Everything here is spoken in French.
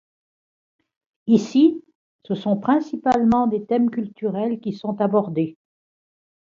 Ici, ce sont principalement des thèmes culturels qui sont abordés.